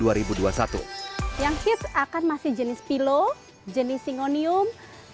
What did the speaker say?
yang his akan masih jenis pilo jenis syngonium